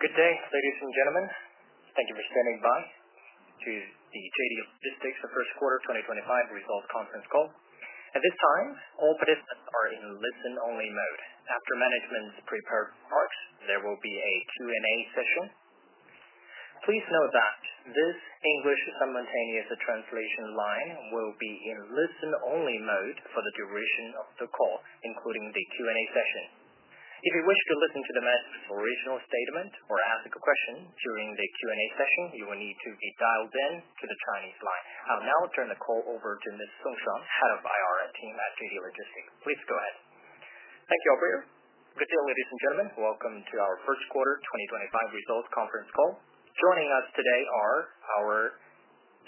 Good day, ladies and gentlemen. Thank you for standing by to the JD Logistics First Quarter 2025 Results Conference Call. At this time, all participants are in listen-only mode. After management's prepared parts, there will be a Q&A session. Please note that this English simultaneous translation line will be in listen-only mode for the duration of the call, including the Q&A session. If you wish to listen to the manager's original statement or ask a question during the Q&A session, you will need to be dialed in to the Chinese line. I'll now turn the call over to Mr. Song Shan, Head of IR at JD Logistics. Please go ahead. Thank you, Aubrie. Good day, ladies and gentlemen. Welcome to our First Quarter 2025 Results Conference Call. Joining us today are our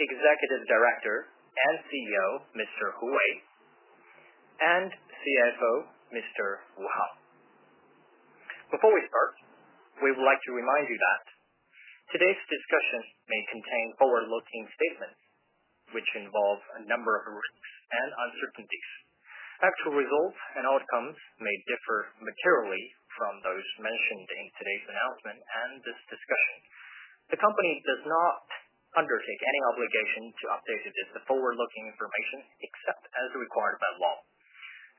Executive Director and CEO, Mr. Hui, and CFO, Mr. Wu Hao. Before we start, we would like to remind you that today's discussion may contain forward-looking statements which involve a number of risks and uncertainties. Actual results and outcomes may differ materially from those mentioned in today's announcement and this discussion. The company does not undertake any obligation to update this forward-looking information except as required by law.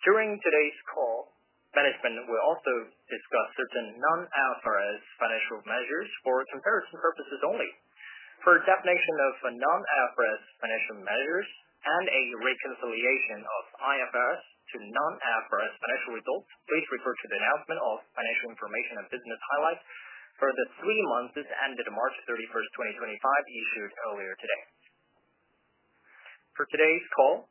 During today's call, management will also discuss certain non-IFRS financial measures for comparison purposes only. For a definition of non-IFRS financial measures and a reconciliation of IFRS to non-IFRS financial results, please refer to the announcement of financial information and business highlights for the three months that ended March 31, 2025, issued earlier today. For today's call,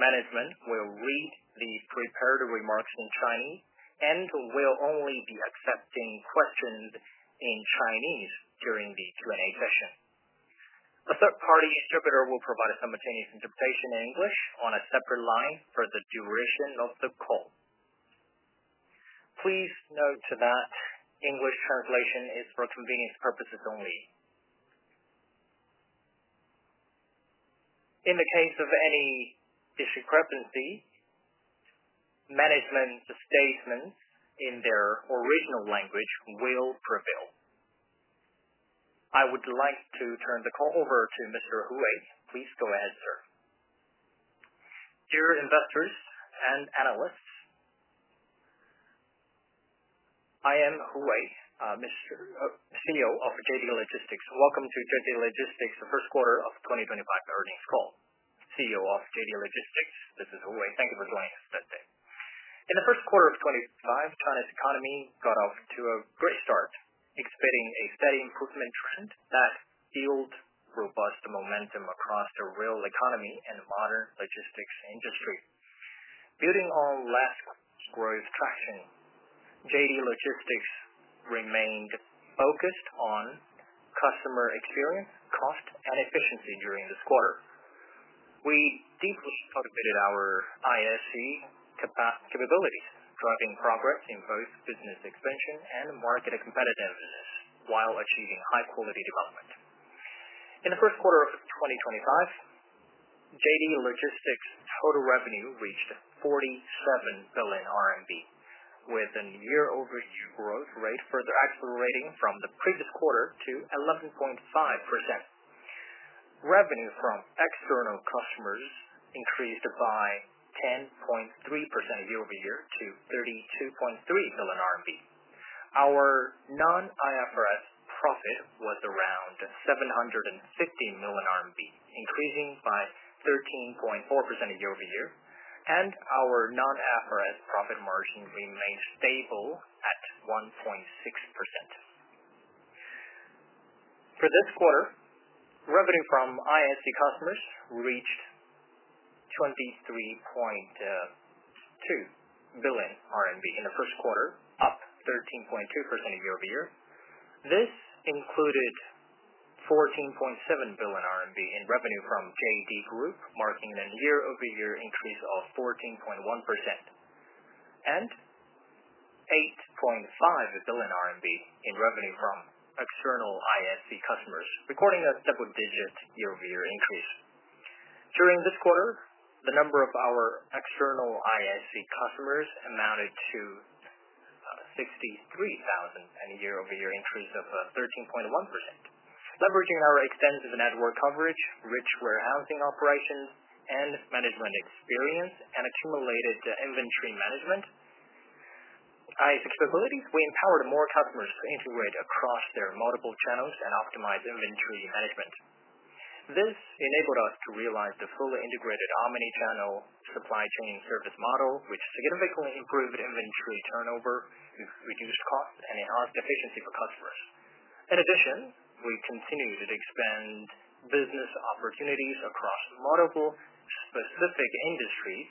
management will read the prepared remarks in Chinese and will only be accepting questions in Chinese during the Q&A session. A third-party interpreter will provide a simultaneous interpretation in English on a separate line for the duration of the call. Please note that English translation is for convenience purposes only. In the case of any discrepancy, management's statements in their original language will prevail. I would like to turn the call over to Mr. Hui. Please go ahead, sir. Dear investors and analysts, I am Hui, CEO of JD Logistics. Welcome to JD Logistics First Quarter of 2025 Earnings Call. CEO of JD Logistics, this is Hui. Thank you for joining us today. In the first quarter of 2025, China's economy got off to a great start, expecting a steady improvement trend that yields robust momentum across the real economy and modern logistics industry. Building on last quarter's growth traction, JD Logistics remained focused on customer experience, cost, and efficiency during this quarter. We deeply automated our ISC capabilities, driving progress in both business expansion and market competitiveness while achieving high-quality development. In the first quarter of 2025, JD Logistics' total revenue reached 47 billion RMB, with a year-over-year growth rate further accelerating from the previous quarter to 11.5%. Revenue from external customers increased by 10.3% year-over-year to 32.3 billion RMB. Our non-IFRS profit was around 750 million RMB, increasing by 13.4% year-over-year, and our non-IFRS profit margin remained stable at 1.6%. For this quarter, revenue from ISC customers reached 23.2 billion RMB in the first quarter, up 13.2% year-over-year. This included 14.7 billion RMB in revenue from JD Group, marking a year-over-year increase of 14.1%, and 8.5 billion RMB in revenue from external ISC customers, recording a double-digit year-over-year increase. During this quarter, the number of our external ISC customers amounted to 63,000 and a year-over-year increase of 13.1%. Leveraging our extensive network coverage, rich warehousing operations, and management experience and accumulated inventory management, we empowered more customers to integrate across their multiple channels and optimize inventory management. This enabled us to realize the fully integrated omnichannel supply chain service model, which significantly improved inventory turnover, reduced costs, and enhanced efficiency for customers. In addition, we continued to expand business opportunities across multiple specific industries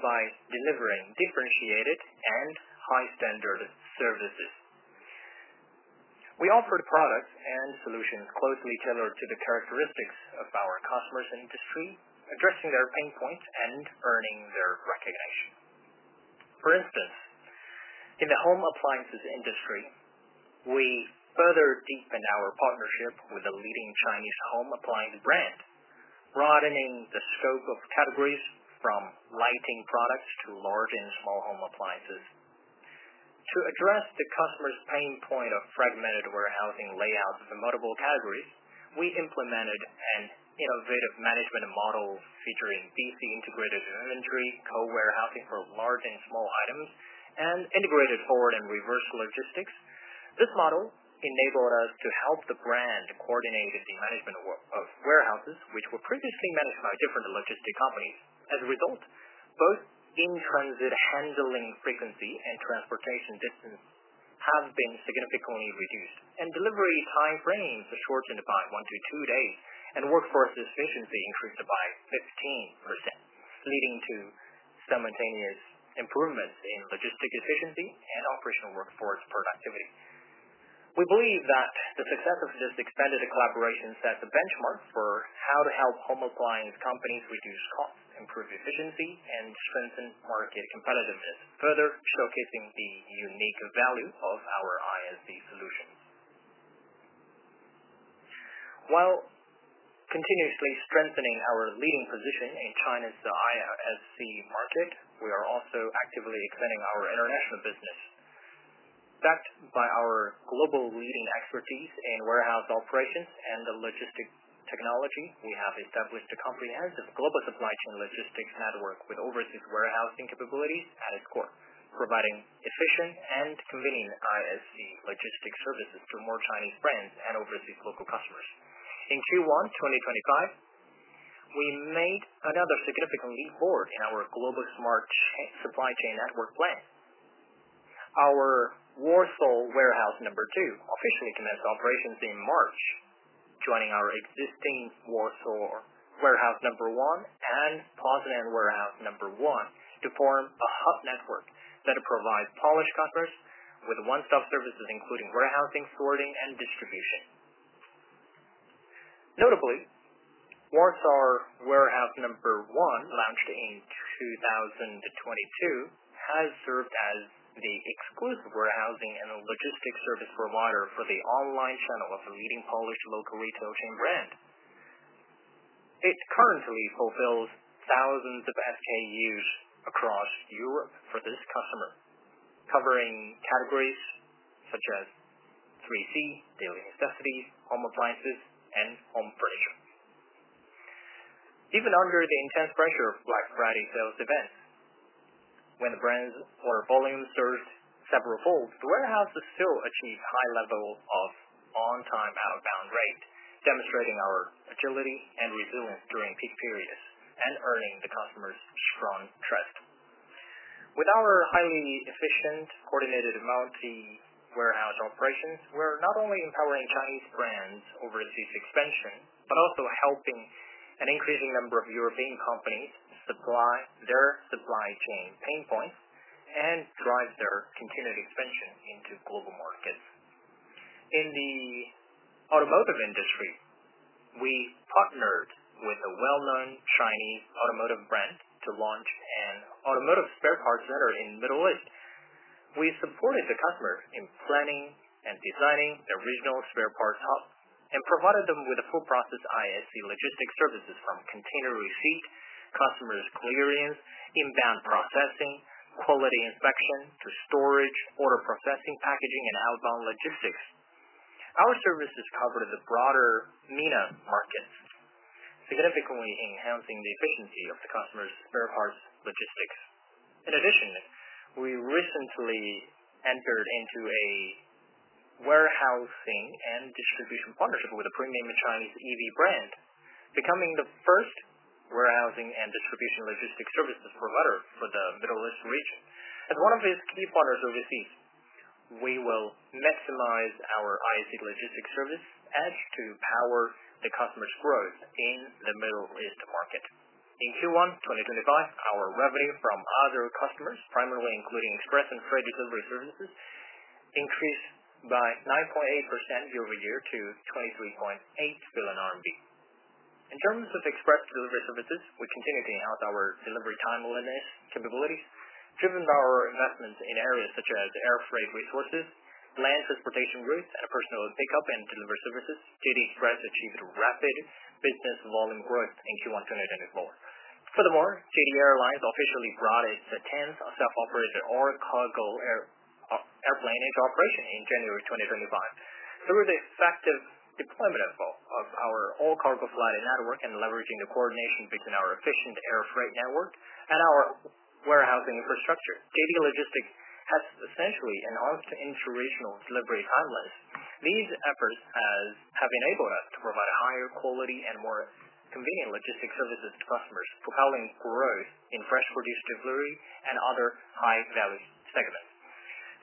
by delivering differentiated and high-standard services. We offered products and solutions closely tailored to the characteristics of our customers' industry, addressing their pain points and earning their recognition. For instance, in the home appliances industry, we further deepened our partnership with a leading Chinese home appliance brand, broadening the scope of categories from lighting products to large and small home appliances. To address the customer's pain point of fragmented warehousing layouts for multiple categories, we implemented an innovative management model featuring BC integrated inventory, co-warehousing for large and small items, and integrated forward and reverse logistics. This model enabled us to help the brand coordinate the management of warehouses, which were previously managed by different logistics companies. As a result, both in-transit handling frequency and transportation distance have been significantly reduced, and delivery time frames shortened by one to two days, and workforce efficiency increased by 15%, leading to simultaneous improvements in logistics efficiency and operational workforce productivity. We believe that the success of this expanded collaboration sets a benchmark for how to help home appliance companies reduce costs, improve efficiency, and strengthen market competitiveness, further showcasing the unique value of our ISC solutions. While continuously strengthening our leading position in China's ISC market, we are also actively expanding our international business. Backed by our global leading expertise in warehouse operations and logistics technology, we have established a comprehensive global supply chain logistics network with overseas warehousing capabilities at its core, providing efficient and convenient ISC logistics services to more Chinese brands and overseas local customers. In Q1 2025, we made another significant leap forward in our global smart supply chain network plan. Our Warsaw Warehouse No. 2 officially commenced operations in March, joining our existing Warsaw Warehouse No. 1 and Poznań Warehouse No. 1 to form a hub network that provides Polish customers with one-stop services, including warehousing, sorting, and distribution. Notably, Warsaw Warehouse No. 1, launched in 2022, has served as the exclusive warehousing and logistics service provider for the online channel of a leading Polish local retail chain brand. It currently fulfills thousands of SKUs across Europe for this customer, covering categories such as 3C, daily necessities, home appliances, and home furniture. Even under the intense pressure of Black Friday sales events, when the brand's order volume surged several fold, the warehouse still achieved high levels of on-time outbound rate, demonstrating our agility and resilience during peak periods and earning the customer's strong trust. With our highly efficient, coordinated multi-warehouse operations, we're not only empowering Chinese brands' overseas expansion but also helping an increasing number of European companies solve their supply chain pain points and drive their continued expansion into global markets. In the automotive industry, we partnered with a well-known Chinese automotive brand to launch an automotive spare parts center in the Middle East. We supported the customer in planning and designing the original spare parts hub and provided them with full-process ISC logistics services from container receipt, customs clearance, inbound processing, quality inspection to storage, order processing, packaging, and outbound logistics. Our services cover the broader MENA markets, significantly enhancing the efficiency of the customer's spare parts logistics. In addition, we recently entered into a warehousing and distribution partnership with a premium Chinese EV brand, becoming the first warehousing and distribution logistics services provider for the Middle East region. As one of its key partners overseas, we will maximize our ISC logistics service to power the customer's growth in the Middle East market. In Q1 2025, our revenue from other customers, primarily including express and freight delivery services, increased by 9.8% year-over-year to 23.8 billion RMB. In terms of express delivery services, we continue to enhance our delivery timeliness capabilities. Driven by our investments in areas such as air freight resources, land transportation routes, and personal pickup and delivery services, JD Express achieved rapid business volume growth in Q1 2024. Furthermore, JD Airlines officially brought its 10th self-operated all-cargo airplane into operation in January 2024. Through the effective deployment of our all-cargo flight network and leveraging the coordination between our efficient air freight network and our warehousing infrastructure, JD Logistics has essentially enhanced its regional delivery timeliness. These efforts have enabled us to provide higher quality and more convenient logistics services to customers, propelling growth in fresh produce delivery and other high-value segments.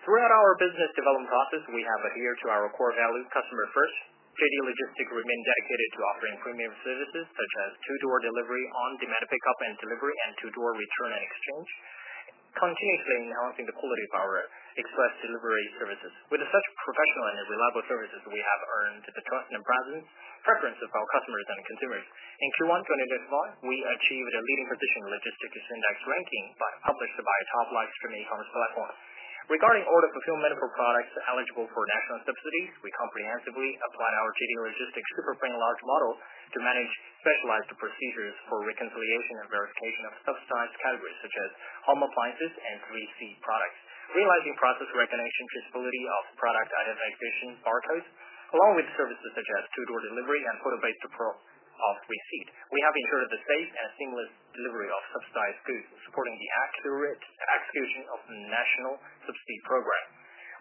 Throughout our business development process, we have adhered to our core value of customer first. JD Logistics remains dedicated to offering premium services such as two-door delivery on-demand pickup and delivery and two-door return and exchange, continuously enhancing the quality of our express delivery services. With such professional and reliable services, we have earned the trust and presence, preference of our customers and consumers. In Q1 2025, we achieved a leading position in the logistics index ranking published by a top live-streaming e-commerce platform. Regarding order fulfillment for products eligible for national subsidies, we comprehensively applied our JD Logistics superframed large model to manage specialized procedures for reconciliation and verification of subsidized categories such as home appliances and 3C products, realizing process recognition, traceability of product identification barcodes, along with services such as two-door delivery and photo-based approval of receipt. We have ensured the safe and seamless delivery of subsidized goods, supporting the accurate execution of the national subsidy program.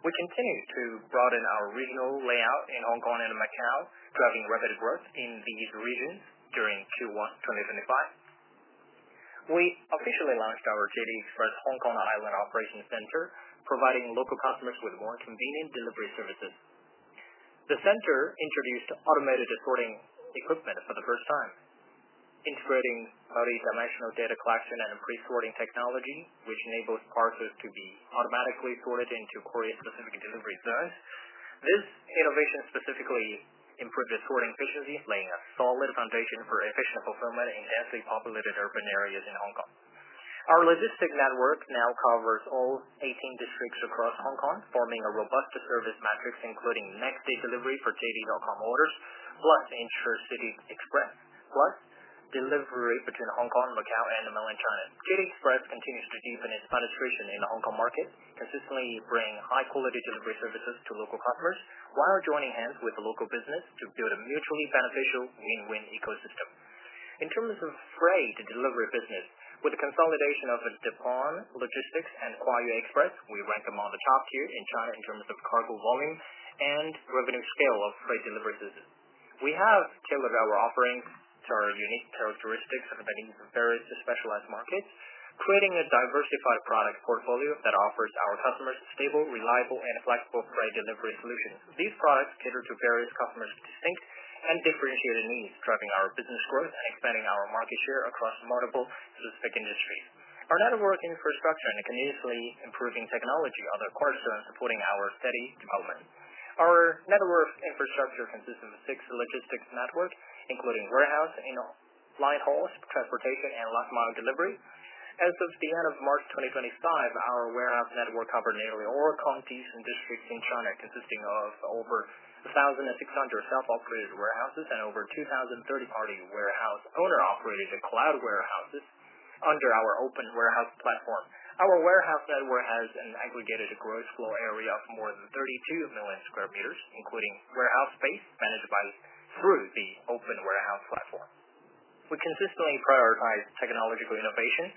We continue to broaden our regional layout in Hong Kong and Macau, driving rapid growth in these regions during Q1 2025. We officially launched our JD Express Hong Kong Island operations center, providing local customers with more convenient delivery services. The center introduced automated sorting equipment for the first time, integrating multi-dimensional data collection and pre-sorting technology, which enables parcels to be automatically sorted into courier-specific delivery zones. This innovation specifically improved the sorting efficiency, laying a solid foundation for efficient fulfillment in densely populated urban areas in Hong Kong. Our logistics network now covers all 18 districts across Hong Kong, forming a robust service matrix, including next-day delivery for JD.com orders, plus intercity express, plus delivery between Hong Kong, Macau, and the mainland China. JD Express continues to deepen its penetration in the Hong Kong market, consistently bringing high-quality delivery services to local customers while joining hands with local business to build a mutually beneficial win-win ecosystem. In terms of freight delivery business, with the consolidation of Dupont Logistics and Huayu Express, we rank among the top tier in China in terms of cargo volume and revenue scale of freight delivery system. We have tailored our offerings to our unique characteristics, accompanying various specialized markets, creating a diversified product portfolio that offers our customers stable, reliable, and flexible freight delivery solutions. These products cater to various customers' distinct and differentiated needs, driving our business growth and expanding our market share across multiple specific industries. Our network infrastructure and continuously improving technology are the cornerstone supporting our steady development. Our network infrastructure consists of six logistics networks, including warehouse, line halls, transportation, and last-mile delivery. As of the end of March 2025, our warehouse network covered nearly all counties and districts in China, consisting of over 1,600 self-operated warehouses and over 2,030 party warehouse owner-operated cloud warehouses under our open warehouse platform. Our warehouse network has an aggregated gross floor area of more than 32 million sq. m., including warehouse space managed by through the open warehouse platform. We consistently prioritize technological innovation.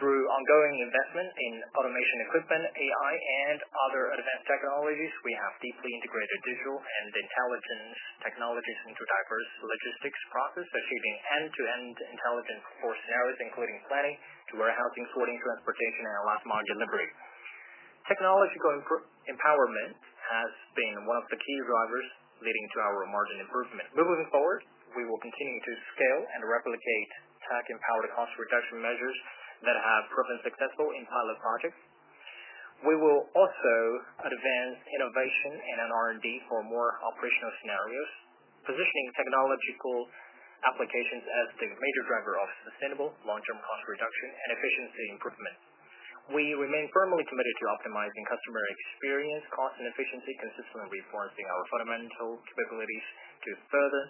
Through ongoing investment in automation equipment, AI, and other advanced technologies, we have deeply integrated digital and intelligence technologies into diverse logistics processes, achieving end-to-end intelligence for scenarios, including planning to warehousing, sorting, transportation, and last-mile delivery. Technological empowerment has been one of the key drivers leading to our margin improvement. Moving forward, we will continue to scale and replicate tech-empowered cost reduction measures that have proven successful in pilot projects. We will also advance innovation and R&D for more operational scenarios, positioning technological applications as the major driver of sustainable long-term cost reduction and efficiency improvements. We remain firmly committed to optimizing customer experience, cost, and efficiency, consistently reinforcing our fundamental capabilities to further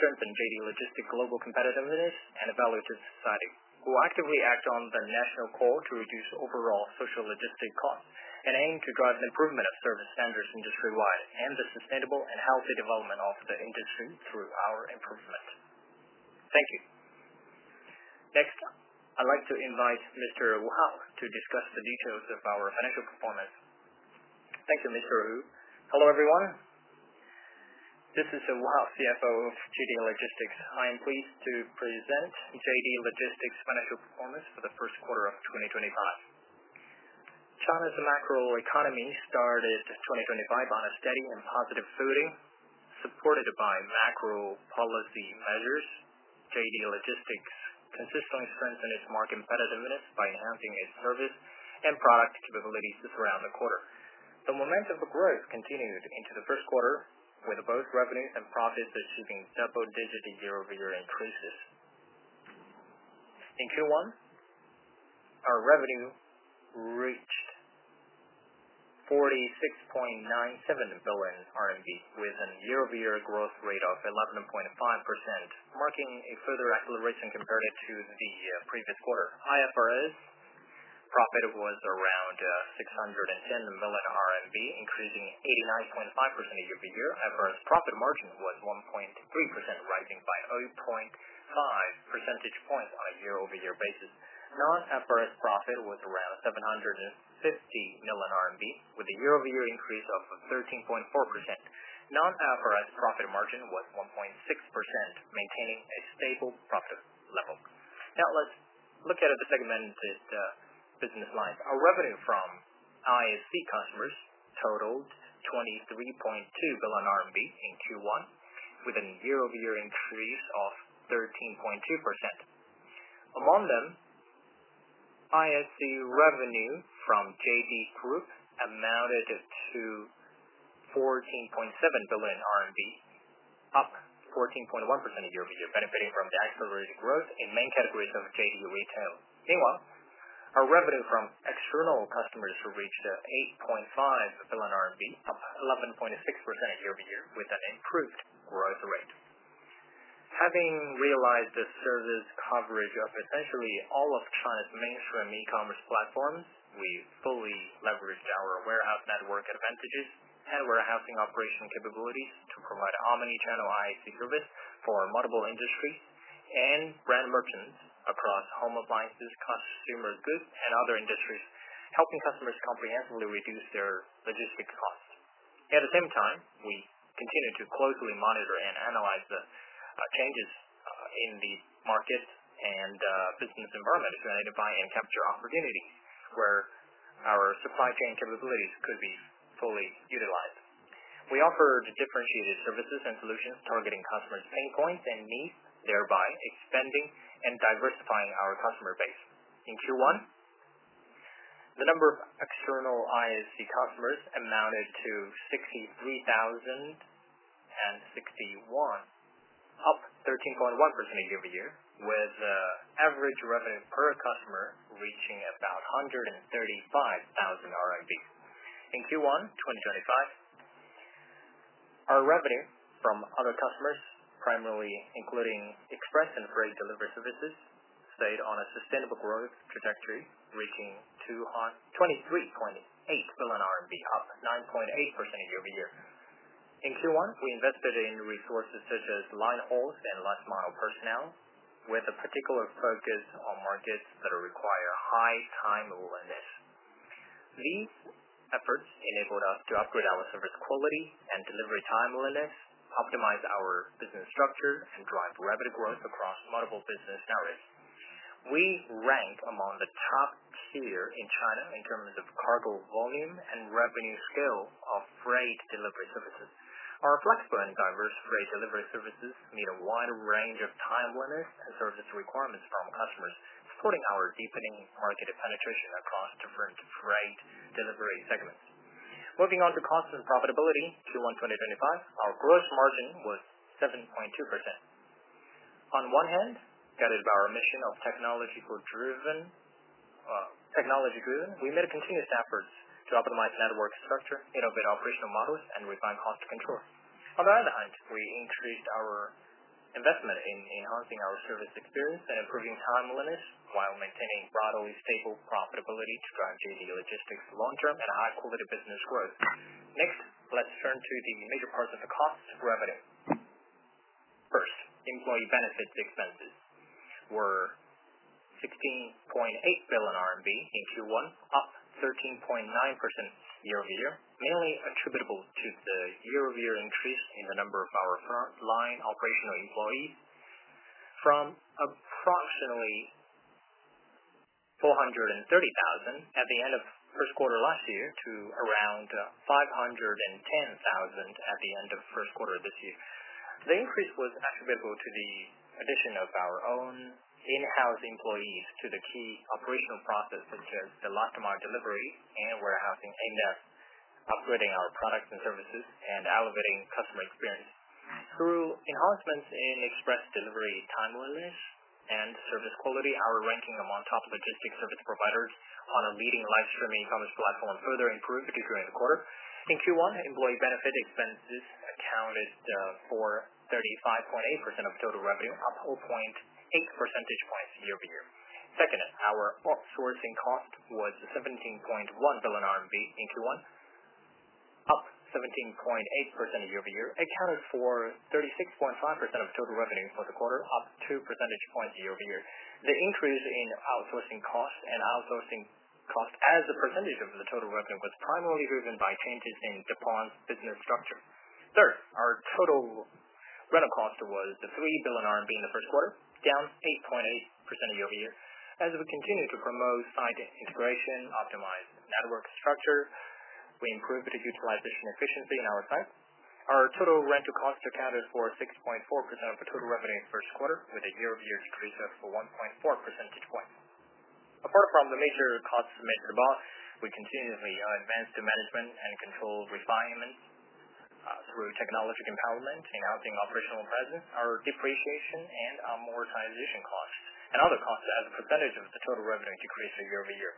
strengthen JD Logistics' global competitiveness and evaluative society. We will actively act on the national core to reduce overall social logistics costs and aim to drive an improvement of service standards industry-wide and the sustainable and healthy development of the industry through our improvement. Thank you. Next, I'd like to invite Mr. Wu Hao to discuss the details of our financial performance. Thank you, Mr. Hui. Hello, everyone. This is Wu Hao, CFO of JD Logistics. I am pleased to present JD Logistics' financial performance for the first quarter of 2025. China's macroeconomy started 2025 on a steady and positive footing, supported by macro policy measures. JD Logistics consistently strengthened its market competitiveness by enhancing its service and product capabilities to surround the quarter. The momentum of growth continued into the first quarter, with both revenues and profits achieving double-digit year-over-year increases. In Q1, our revenue reached 46.97 billion RMB, with a year-over-year growth rate of 11.5%, marking a further acceleration compared to the previous quarter. IFRS profit was around 610 million RMB, increasing 89.5% year-over-year. IFRS profit margin was 1.3%, rising by 0.5 percentage points on a year-over-year basis. Non-IFRS profit was around 750 million RMB, with a year-over-year increase of 13.4%. Non-IFRS profit margin was 1.6%, maintaining a stable profit level. Now, let's look at the segmented business lines. Our revenue from ISC customers totaled 23.2 billion RMB in Q1, with a year-over-year increase of 13.2%. Among them, ISC revenue from JD Group amounted to 14.7 billion RMB, up 14.1% year-over-year, benefiting from the accelerated growth in main categories of JD Retail. Meanwhile, our revenue from external customers reached 8.5 billion RMB, up 11.6% year-over-year, with an improved growth rate. Having realized the service coverage of essentially all of China's mainstream e-commerce platforms, we fully leveraged our warehouse network advantages and warehousing operation capabilities to provide omnichannel ISC service for multiple industries and brand merchants across home appliances, consumer goods, and other industries, helping customers comprehensively reduce their logistics costs. At the same time, we continue to closely monitor and analyze the changes in the market and business environment to identify and capture opportunities where our supply chain capabilities could be fully utilized. We offered differentiated services and solutions targeting customers' pain points and needs, thereby expanding and diversifying our customer base. In Q1, the number of external ISC customers amounted to 63,061, up 13.1% year-over-year, with average revenue per customer reaching about 135,000 RMB. In Q1 2025, our revenue from other customers, primarily including express and freight delivery services, stayed on a sustainable growth trajectory, reaching 23.8 billion RMB, up 9.8% year-over-year. In Q1, we invested in resources such as line halls and last-mile personnel, with a particular focus on markets that require high timeliness. These efforts enabled us to upgrade our service quality and delivery timeliness, optimize our business structure, and drive rapid growth across multiple business scenarios. We rank among the top tier in China in terms of cargo volume and revenue scale of freight delivery services. Our flexible and diverse freight delivery services meet a wide range of timeliness and service requirements from customers, supporting our deepening market penetration across different freight delivery segments. Moving on to cost and profitability, Q1 2025, our gross margin was 7.2%. On one hand, guided by our mission of technology-driven, we made continuous efforts to optimize network structure, innovate operational models, and refine cost control. On the other hand, we increased our investment in enhancing our service experience and improving timeliness while maintaining broadly stable profitability to drive JD Logistics' long-term and high-quality business growth. Next, let's turn to the major parts of the cost revenue. First, employee benefits expenses were 16.8 billion RMB in Q1, up 13.9% year-over-year, mainly attributable to the year-over-year increase in the number of our frontline operational employees from approximately 430,000 at the end of first quarter last year to around 510,000 at the end of first quarter this year. The increase was attributable to the addition of our own in-house employees to the key operational process, such as the last-mile delivery and warehousing, aimed at upgrading our products and services and elevating customer experience. Through enhancements in express delivery timeliness and service quality, our ranking among top logistics service providers on a leading live-streaming e-commerce platform further improved during the quarter. In Q1, employee benefit expenses accounted for 35.8% of total revenue, up 0.8 percentage points year-over-year. Second, our outsourcing cost was 17.1 billion RMB in Q1, up 17.8% year-over-year, accounted for 36.5% of total revenue for the quarter, up 2 percentage points year-over-year. The increase in outsourcing cost and outsourcing cost as a percentage of the total revenue was primarily driven by changes in Dupont Logistics' business structure. Third, our total rental cost was 3 billion RMB in the first quarter, down 8.8% year-over-year. As we continue to promote site integration, optimize network structure, we improved utilization efficiency in our site. Our total rental cost accounted for 6.4% of the total revenue in the first quarter, with a year-over-year decrease of 1.4 percentage points. Apart from the major costs mentioned above, we continuously advanced management and control refinements through technological empowerment, enhancing operational presence, our depreciation and amortization costs, and other costs as a percentage of the total revenue decrease year-over-year.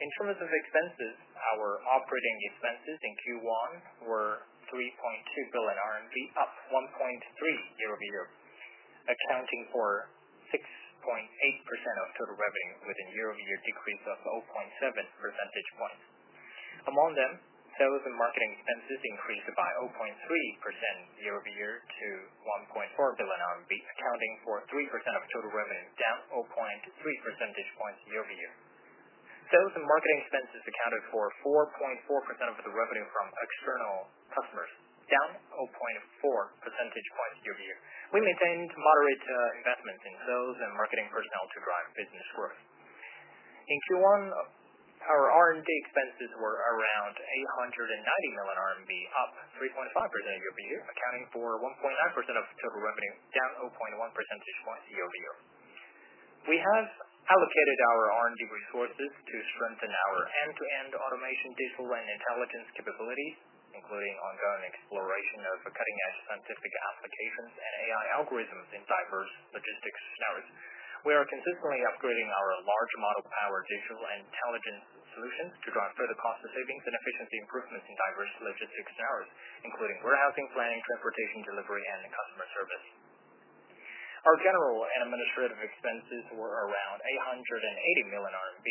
In terms of expenses, our operating expenses in Q1 were 3.2 billion RMB, up 1.3% year-over-year, accounting for 6.8% of total revenue, with a year-over-year decrease of 0.7 percentage points. Among them, sales and marketing expenses increased by 0.3% year-over-year to 1.4 billion RMB, accounting for 3% of total revenue, down 0.3 percentage points year-over-year. Sales and marketing expenses accounted for 4.4% of the revenue from external customers, down 0.4 percentage points year-over-year. We maintained moderate investments in sales and marketing personnel to drive business growth. In Q1, our R&D expenses were around 890 million RMB, up 3.5% year-over-year, accounting for 1.9% of total revenue, down 0.1 percentage points year-over-year. We have allocated our R&D resources to strengthen our end-to-end automation, digital and intelligence capabilities, including ongoing exploration of cutting-edge scientific applications and AI algorithms in diverse logistics scenarios. We are consistently upgrading our large model-powered digital and intelligence solutions to drive further cost savings and efficiency improvements in diverse logistics scenarios, including warehousing, planning, transportation, delivery, and customer service. Our general and administrative expenses were around 880 million RMB,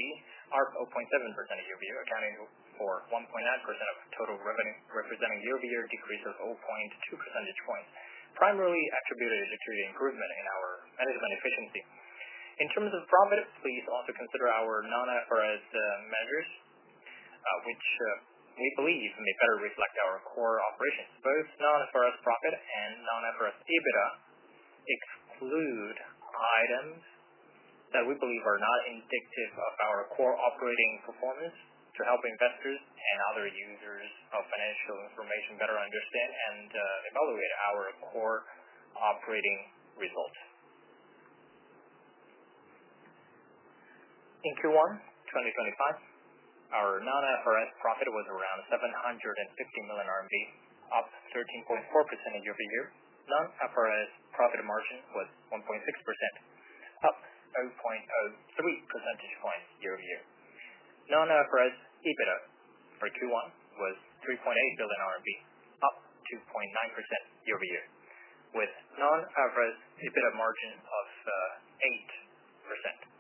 up 0.7% year-over-year, accounting for 1.9% of total revenue, representing year-over-year decrease of 0.2 percentage points, primarily attributed to the improvement in our management efficiency. In terms of profit, please also consider our non-IFRS measures, which we believe may better reflect our core operations. Both non-IFRS profit and non-IFRS EBITDA exclude items that we believe are not indicative of our core operating performance to help investors and other users of financial information better understand and evaluate our core operating results. In Q1 2025, our non-IFRS profit was around 750 million RMB, up 13.4% year-over-year. Non-IFRS profit margin was 1.6%, up 0.03 percentage points year-over-year. Non-IFRS EBITDA for Q1 was 3.8 billion RMB, up 2.9% year-over-year, with non-IFRS EBITDA margin of 8%.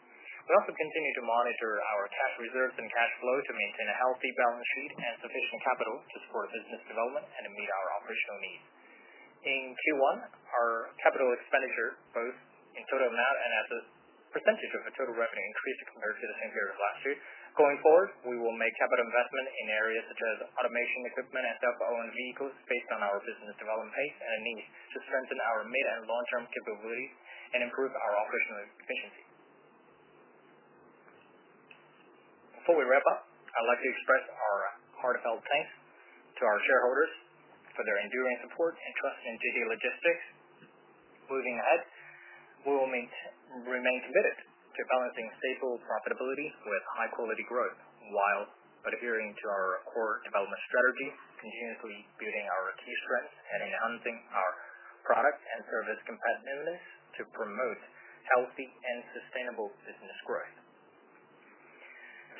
We also continue to monitor our cash reserves and cash flow to maintain a healthy balance sheet and sufficient capital to support business development and meet our operational needs. In Q1, our capital expenditure, both in total amount and as a percentage of the total revenue, increased compared to the same period of last year. Going forward, we will make capital investment in areas such as automation equipment and self-owned vehicles based on our business development pace and needs to strengthen our mid- and long-term capabilities and improve our operational efficiency. Before we wrap up, I'd like to express our heartfelt thanks to our shareholders for their enduring support and trust in JD Logistics. Moving ahead, we will remain committed to balancing stable profitability with high-quality growth while adhering to our core development strategy, continuously building our key strengths and enhancing our product and service compatibility to promote healthy and sustainable business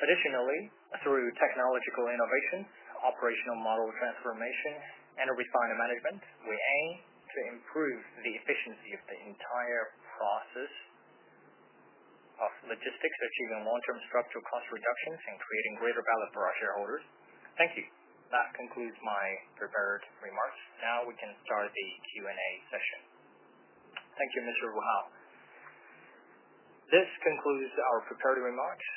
growth. Additionally, through technological innovations, operational model transformation, and refinement management, we aim to improve the efficiency of the entire process of logistics, achieving long-term structural cost reductions and creating greater value for our shareholders. Thank you. That concludes my prepared remarks. Now we can start the Q&A session. Thank you, Mr. Wu Hao. This concludes our prepared remarks.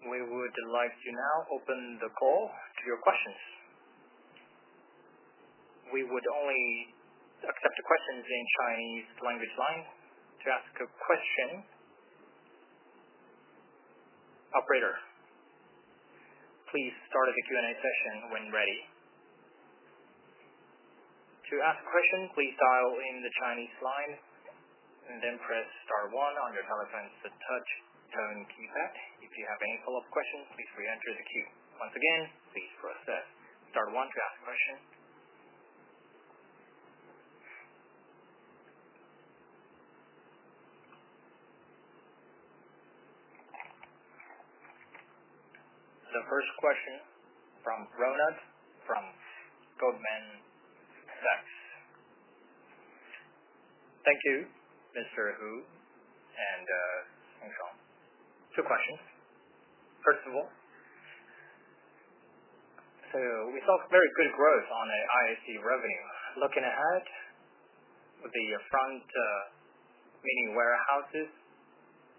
We would like to now open the call to your questions. We would only accept questions in Chinese language line. To ask a question, operator, please start the Q&A session when ready. To ask a question, please dial in the Chinese line and then press star one on your telephone's touch-tone keypad. If you have any follow-up questions, please re-enter the queue. Once again, please press star one to ask a question. The first question from Ronald from Goldman Sachs. Thank you, Mr. Wu and Song Shan. Two questions. First of all, we saw very good growth on the ISC revenue. Looking ahead, the front-many warehouses,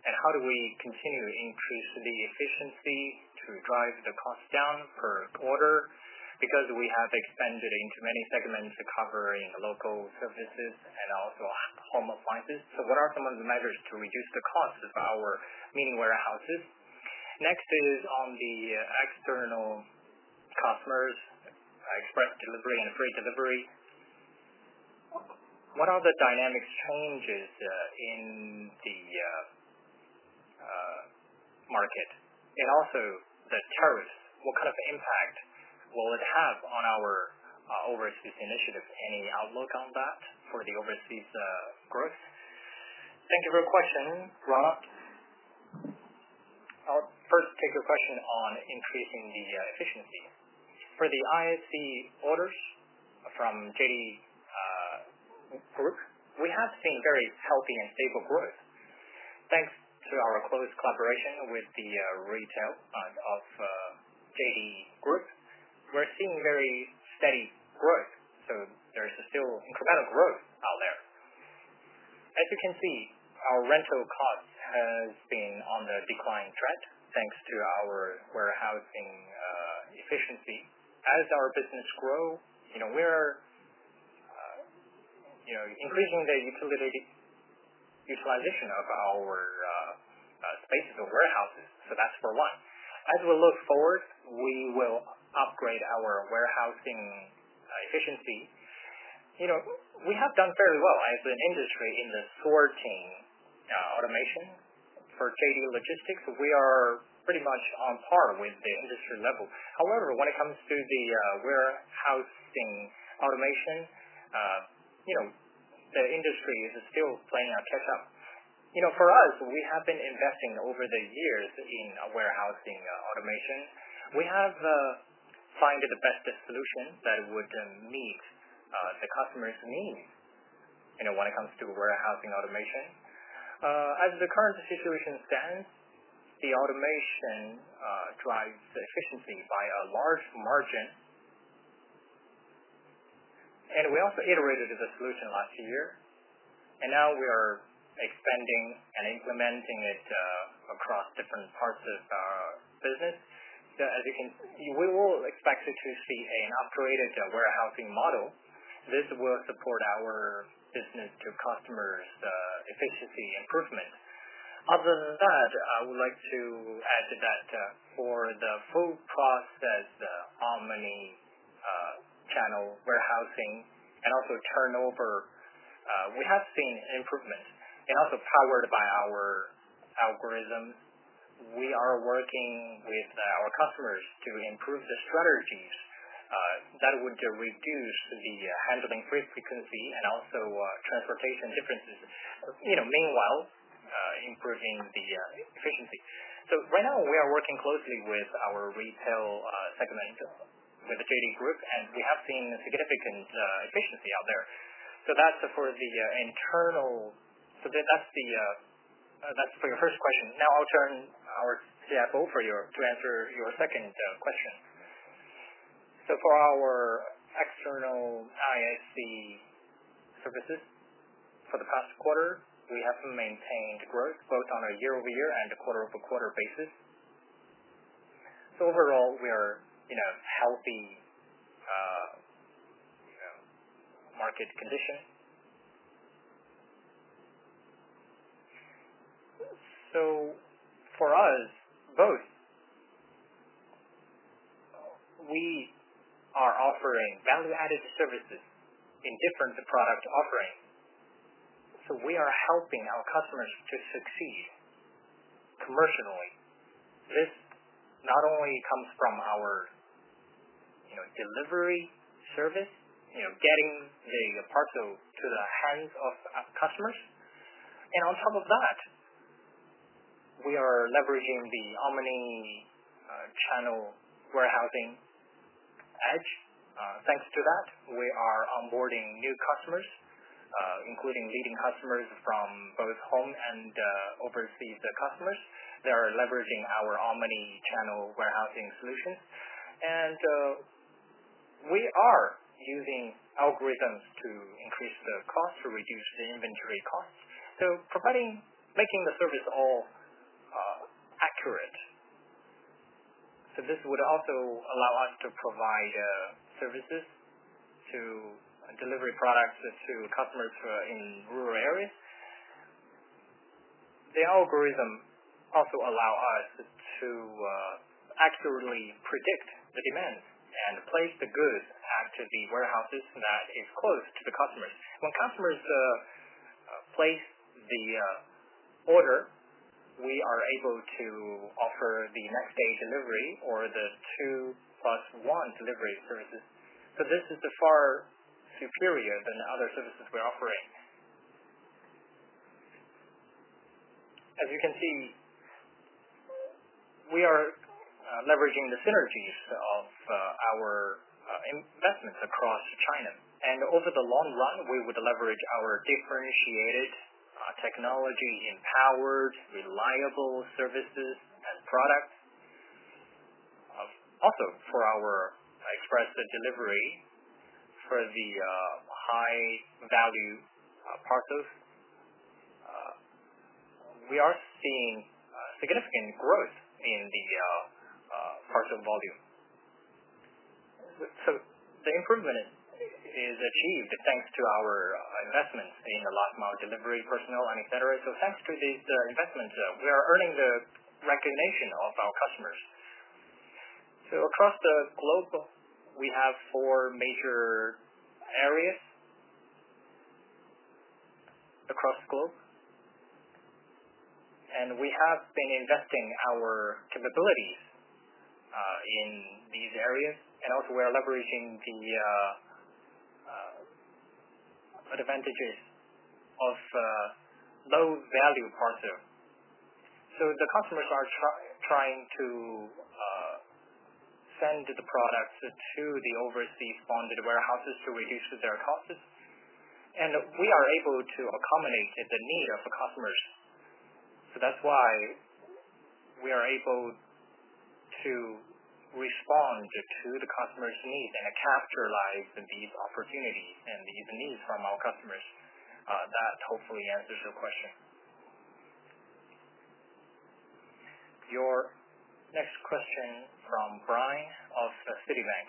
and how do we continue to increase the efficiency to drive the cost down per quarter? Because we have expanded into many segments to cover in local services and also home appliances. What are some of the measures to reduce the cost of our many warehouses? Next is on the external customers, express delivery and freight delivery. What are the dynamic changes in the market? Also, the tariffs, what kind of impact will it have on our overseas initiative? Any outlook on that for the overseas growth? Thank you for your question, Ronald. I'll first take your question on increasing the efficiency. For the ISC orders from JD Group, we have seen very healthy and stable growth. Thanks to our close collaboration with the retail of JD Group, we're seeing very steady growth. There's still incremental growth out there. As you can see, our rental cost has been on the decline trend thanks to our warehousing efficiency. As our business grows, we're increasing the utilization of our spaces of warehouses. That's for one. As we look forward, we will upgrade our warehousing efficiency. We have done fairly well as an industry in the sorting automation. For JD Logistics, we are pretty much on par with the industry level. However, when it comes to the warehousing automation, the industry is still playing a catch-up. For us, we have been investing over the years in warehousing automation. We have found the best solution that would meet the customer's needs when it comes to warehousing automation. As the current situation stands, the automation drives efficiency by a large margin. We also iterated the solution last year. Now we are expanding and implementing it across different parts of our business. As you can, we will expect to see an upgraded warehousing model. This will support our business to customers' efficiency improvement. Other than that, I would like to add that for the full process, the omni-channel warehousing and also turnover, we have seen improvements. Also powered by our algorithms, we are working with our customers to improve the strategies that would reduce the handling frequency and also transportation differences, meanwhile improving the efficiency. Right now, we are working closely with our retail segment with JD Group, and we have seen significant efficiency out there. That is for the internal. That is for your first question. Now I'll turn our CFO to answer your second question. For our external ISC services, for the past quarter, we have maintained growth both on a year-over-year and a quarter-over-quarter basis. Overall, we are in a healthy market condition. For us, both, we are offering value-added services in different product offerings. We are helping our customers to succeed commercially. This not only comes from our delivery service, getting the parcel to the hands of customers. On top of that, we are leveraging the omni-channel warehousing edge. Thanks to that, we are onboarding new customers, including leading customers from both home and overseas customers. They are leveraging our omni-channel warehousing solutions. We are using algorithms to increase the cost, to reduce the inventory costs, making the service all accurate. This would also allow us to provide services to deliver products to customers in rural areas. The algorithm also allows us to accurately predict the demand and place the goods at the warehouses that are close to the customers. When customers place the order, we are able to offer the next-day delivery or the two-plus-one delivery services. This is far superior than other services we're offering. As you can see, we are leveraging the synergies of our investments across China. Over the long run, we would leverage our differentiated technology-empowered, reliable services and products. Also for our express delivery for the high-value parcels, we are seeing significant growth in the parcel volume. The improvement is achieved thanks to our investments in the last-mile delivery personnel, etc. Thanks to these investments, we are earning the recognition of our customers. Across the globe, we have four major areas across the globe. We have been investing our capabilities in these areas. We are leveraging the advantages of low-value parcel. The customers are trying to send the products to the overseas bonded warehouses to reduce their costs. We are able to accommodate the need of the customers. That is why we are able to respond to the customer's needs and capitalize on these opportunities and these needs from our customers. That hopefully answers your question. Your next question from Brian of Citibank.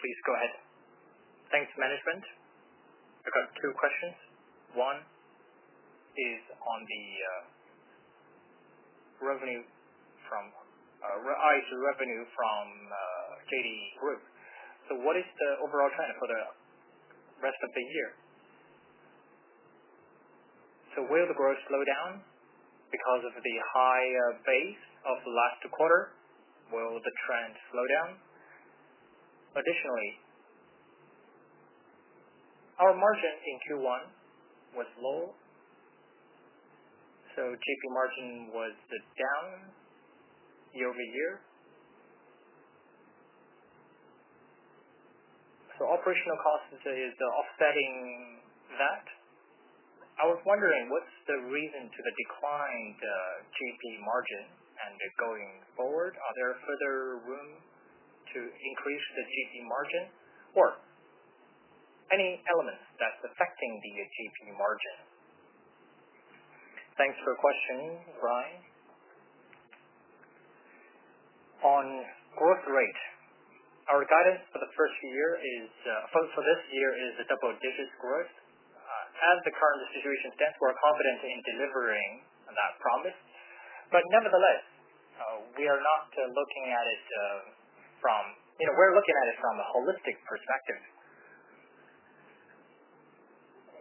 Please go ahead. Thanks, management. I got two questions. One is on the revenue from JD Group. What is the overall trend for the rest of the year? Will the growth slow down because of the high base of last quarter? Will the trend slow down? Additionally, our margin in Q1 was low. GP margin was down year-over-year. Operational costs are offsetting that. I was wondering what's the reason for the declined GP margin and going forward? Are there further room to increase the GP margin or any elements that's affecting the GP margin? Thanks for your question, Brian. On growth rate, our guidance for the first year is for this year is a double-digit growth. As the current situation stands, we're confident in delivering that promise. Nevertheless, we are not looking at it from we're looking at it from a holistic perspective.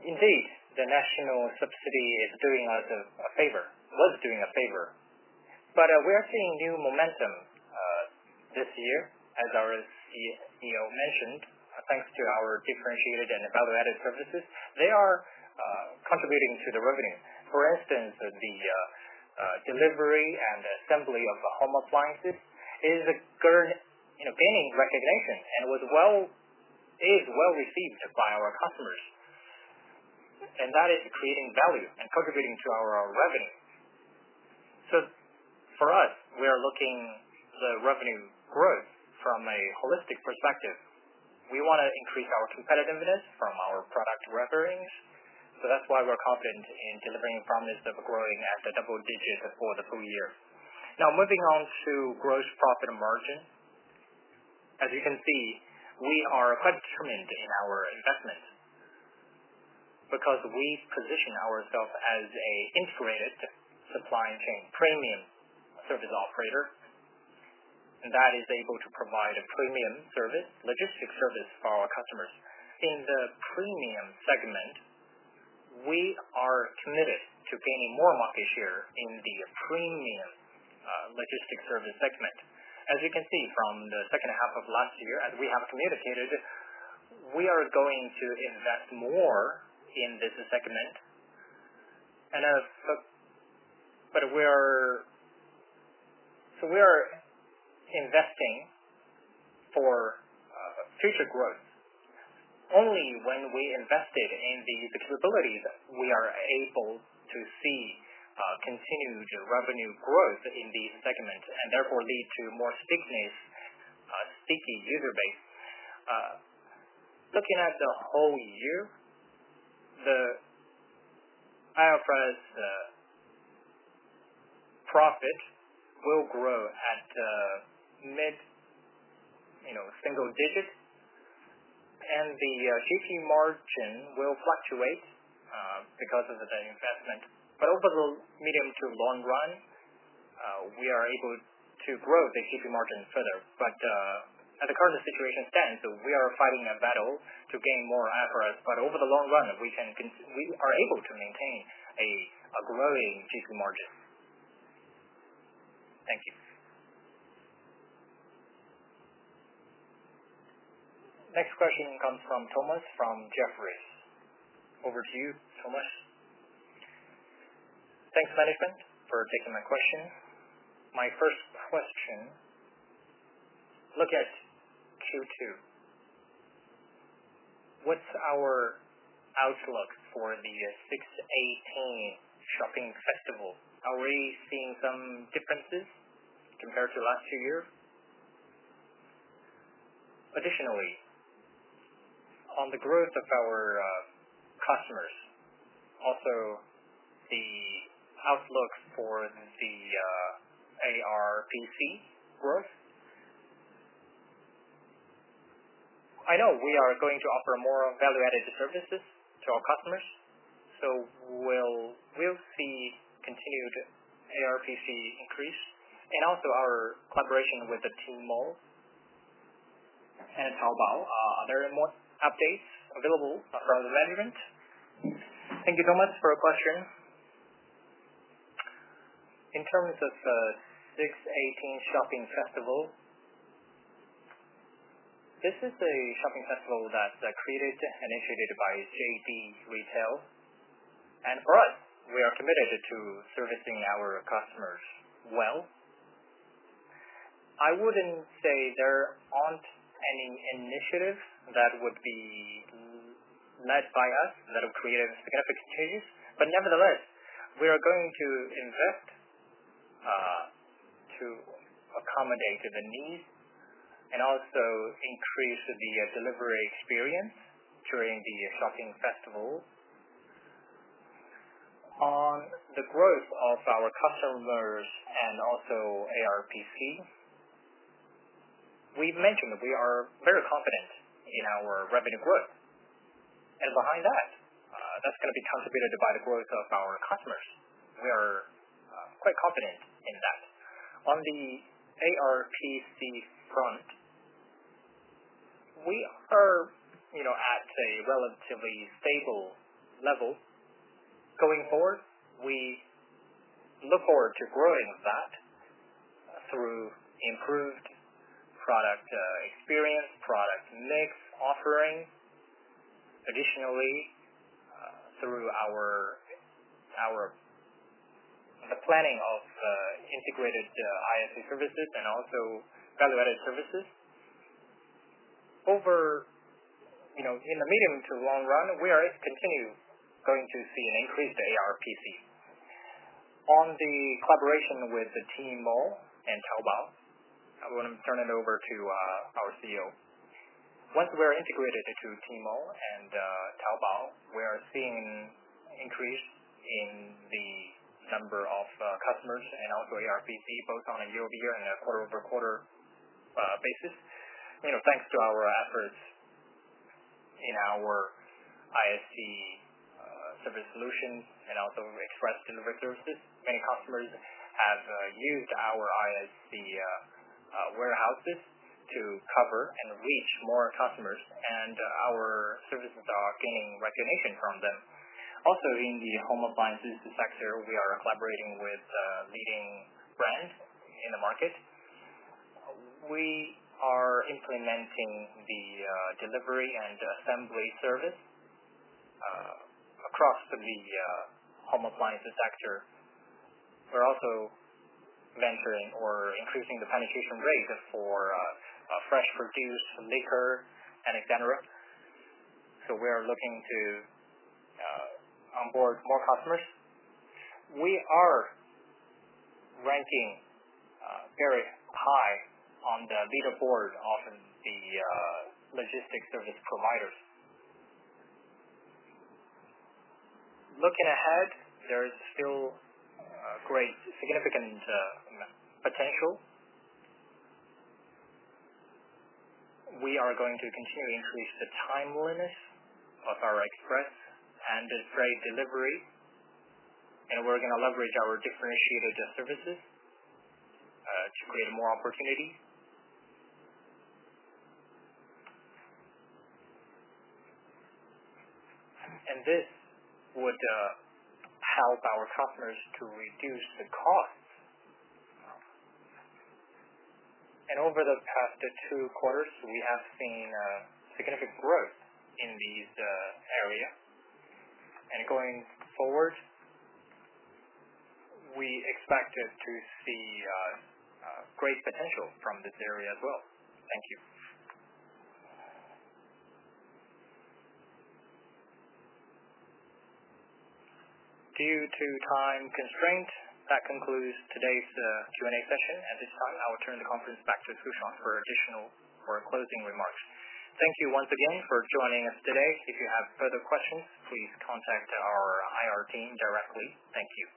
Indeed, the national subsidy is doing us a favor, was doing a favor. We are seeing new momentum this year, as our CEO mentioned, thanks to our differentiated and value-added services. They are contributing to the revenue. For instance, the delivery and assembly of home appliances is gaining recognition and is well-received by our customers. That is creating value and contributing to our revenue. For us, we are looking at the revenue growth from a holistic perspective. We want to increase our competitiveness from our product reference. That is why we are confident in delivering promise of growing at the double digit for the full year. Now moving on to gross profit margin. As you can see, we are quite determined in our investments because we position ourselves as an integrated supply chain premium service operator. That is able to provide a premium logistics service for our customers. In the premium segment, we are committed to gaining more market share in the premium logistics service segment. As you can see from the second half of last year, as we have communicated, we are going to invest more in this segment. We are investing for future growth only when we invested in the capabilities. We are able to see continued revenue growth in these segments and therefore lead to more speaking user base. Looking at the whole year, the IFRS profit will grow at mid-single digit. The GP margin will fluctuate because of the investment. Over the medium to long run, we are able to grow the GP margin further. As the current situation stands, we are fighting a battle to gain more IFRS. Over the long run, we are able to maintain a growing GP margin. Thank you. Next question comes from Thomas from Jefferies. Over to you, Thomas. Thanks, management, for taking my question. My first question, look at Q2. What's our outlook for the 6/18 shopping festival? Are we seeing some differences compared to last year? Additionally, on the growth of our customers, also the outlook for the ARPC growth. I know we are going to offer more value-added services to our customers. We'll see continued ARPC increase and also our collaboration with Tmall and Taobao. Are there more updates available from the management? Thank you, Thomas, for your question. In terms of the 6/18 shopping festival, this is a shopping festival that's created and initiated by JD Retail. For us, we are committed to servicing our customers well. I wouldn't say there aren't any initiatives that would be led by us that have created significant changes. Nevertheless, we are going to invest to accommodate the needs and also increase the delivery experience during the shopping festival. On the growth of our customers and also ARPC, we've mentioned we are very confident in our revenue growth. Behind that, that's going to be contributed by the growth of our customers. We are quite confident in that. On the ARPC front, we are at a relatively stable level. Going forward, we look forward to growing that through improved product experience, product mix offering. Additionally, through our planning of integrated ISC services and also value-added services. In the medium to long run, we are continuing to see an increased ARPC. On the collaboration with Tmall and Taobao, I want to turn it over to our CEO. Once we are integrated into Tmall and Taobao, we are seeing an increase in the number of customers and also ARPC, both on a year-over-year and a quarter-over-quarter basis. Thanks to our efforts in our ISC service solutions and also express delivery services, many customers have used our ISC warehouses to cover and reach more customers. Our services are gaining recognition from them. Also in the home appliances sector, we are collaborating with a leading brand in the market. We are implementing the delivery and assembly service across the home appliances sector. We are also venturing or increasing the penetration rate for fresh produce, liquor, etc. We are looking to onboard more customers. We are ranking very high on the leaderboard of the logistics service providers. Looking ahead, there is still great significant potential. We are going to continue to increase the timeliness of our express and freight delivery. We are going to leverage our differentiated services to create more opportunity. This would help our customers to reduce the costs. Over the past two quarters, we have seen significant growth in this area. Going forward, we expect to see great potential from this area as well. Thank you. Due to time constraints,